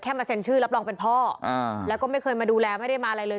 มาเซ็นชื่อรับรองเป็นพ่อแล้วก็ไม่เคยมาดูแลไม่ได้มาอะไรเลย